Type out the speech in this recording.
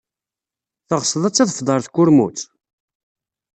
Teɣsed ad tadfed ɣer tkurmut?